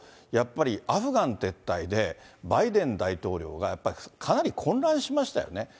やっぱりアフガン撤退でバイデン大統領がやっぱりかなり混乱しましたよね。